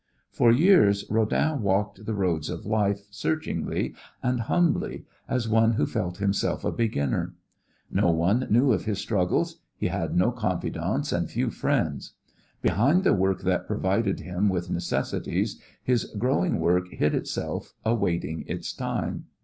For years Rodin walked the roads of life searchingly and humbly as one who felt himself a beginner. No one knew of his struggles; he had no confidants and few friends. Behind the work that provided him with necessities his growing work hid itself awaiting its time.